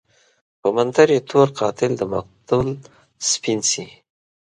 په منتر يې تور قاتل دمقتل سپين شي